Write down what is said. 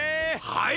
はい！